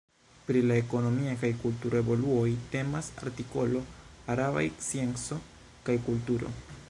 Pri la ekonomia kaj kultura evoluoj temas artikolo arabaj scienco kaj kulturo.